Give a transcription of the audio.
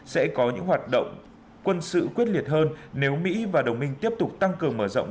sẽ có những hoạt động quân sự quyết liệt hơn nếu mỹ và đồng minh tiếp tục tăng cường mở rộng